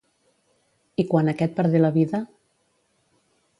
I quan aquest perdé la vida?